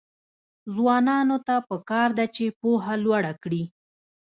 ځوانانو ته پکار ده چې، پوهه لوړه کړي.